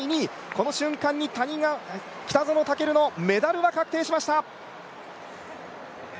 この瞬間に北園丈琉のメダルが確定しました！